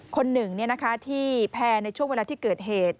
คนหนึ่งที่แพร่ในช่วงเวลาที่เกิดเหตุ